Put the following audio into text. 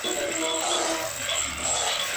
Son suelos calcáreos.